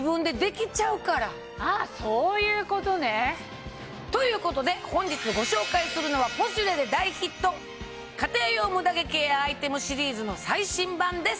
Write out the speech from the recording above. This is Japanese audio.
あそういうことね。ということで本日ご紹介するのは『ポシュレ』で大ヒット家庭用ムダ毛ケアアイテムシリーズの最新版です！